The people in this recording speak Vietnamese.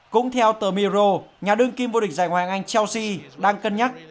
cũng theo tờ miro nhà đương kim vô địch giải hoàng anh chelsea đang cân nhắc